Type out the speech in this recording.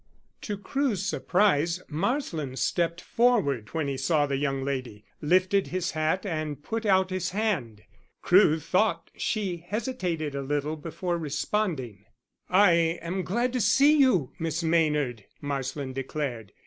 To Crewe's surprise Marsland stepped forward when he saw the young lady, lifted his hat and put out his hand. Crewe thought she hesitated a little before responding. "I am glad to see you, Miss Maynard," Marsland declared.